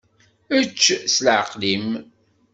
Ečč s leɛqel-im.